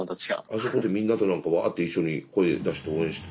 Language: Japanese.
あそこでみんなと何かわっと一緒に声出して応援して。